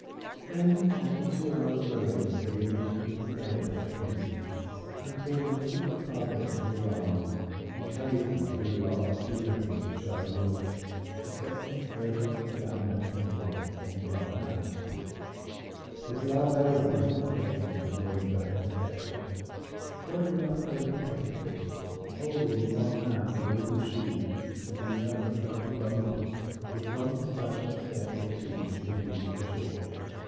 When, after two hours' rowing, they reached the little bay of Capri, Antonio took the padre in his arms, and carried him through the last few ripples of shallow water, to set him reverently down upon his legs on dry land. But Laurella did not wait for him to wade back and fetch her. Gathering up her little petticoat, holding in one hand her wooden shoes and in the other her little bundle, with one splashing step or two she had reached the shore.